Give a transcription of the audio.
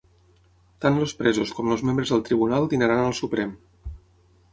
Tant els presos com els membres del tribunal dinaran al Suprem.